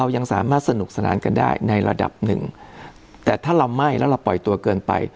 ยังสามารถสนุกสนานกันได้ในระดับหนึ่งแต่ถ้าเราไหม้แล้วเราปล่อยตัวเกินไป